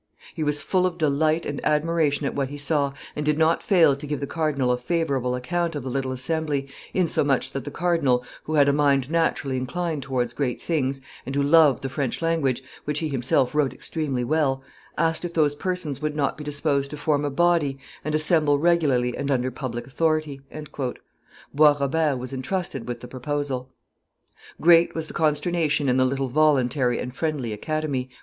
He was full of delight and admiration at what he saw, and did not fail to give the cardinal a favorable account of the little assembly, insomuch that the cardinal, who had a mind naturally inclined towards great things, and who loved the French language, which he himself wrote extremely well, asked if those persons would not be disposed to form a body and assembly regularly and under public authority." Bois Robert was intrusted with the proposal. Great was the consternation in the little voluntary and friendly Academy.